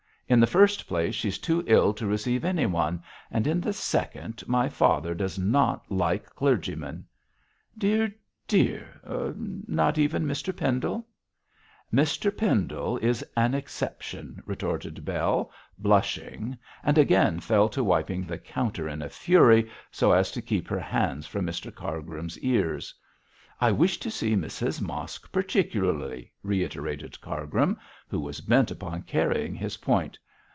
In the first place, she's too ill to receive anyone; and in the second, my father does not like clergymen.' 'Dear! dear! not even Mr Pendle?' 'Mr Pendle is an exception,' retorted Bell, blushing, and again fell to wiping the counter in a fury, so as to keep her hands from Mr Cargrim's ears. 'I wish to see Mrs Mosk particularly,' reiterated Cargrim, who was bent upon carrying his point.